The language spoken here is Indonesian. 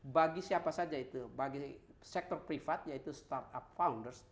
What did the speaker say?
bagi siapa saja itu bagi sektor privat yaitu startup founders